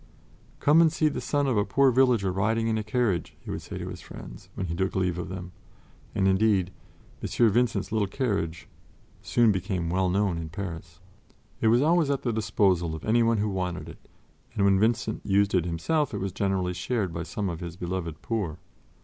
"Come and see the son of a poor villager riding in a carriage," he would say to his friends when he took leave of them; and indeed, "M. Vincent's little carriage" soon became well known in Paris. It was always at the disposal of anyone who wanted it, and when Vincent used it himself it was generally shared by some of his beloved poor.